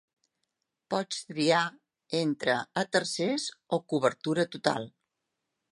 Pots triar entre a tercers o cobertura total.